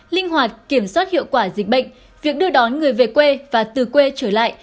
linh hoạt kiểm soát hiệu quả dịch bệnh việc đưa đón người về quê và từ quê trở lại